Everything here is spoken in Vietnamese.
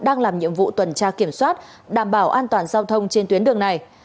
đang làm nhiệm vụ tuần tra kiểm soát đảm bảo an toàn giao thông trên tuyến đường này